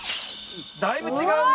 だいぶ違うね！